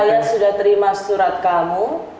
kalian sudah terima surat kamu